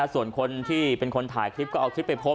ส่วนคนที่เป็นคนถ่ายคลิปก็เอาคลิปไปพบ